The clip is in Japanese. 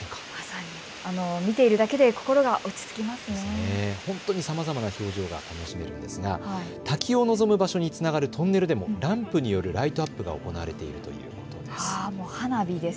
ほんとにさまざまな表情が楽しめるんですが滝を望む場所につながるトンネルでもランプによるライトアップが行われているということです。